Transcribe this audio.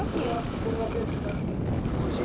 それがベースになってますおいしい？